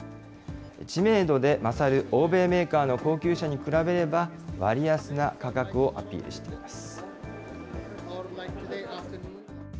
知名度で勝る欧米メーカーの高級車に比べれば、割安な価格をアピールしています。